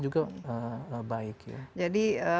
juga baik jadi